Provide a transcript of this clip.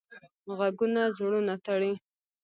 غږونه زړونه تړي